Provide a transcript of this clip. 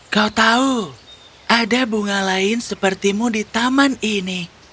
kau tahu ada bunga lain sepertimu di taman ini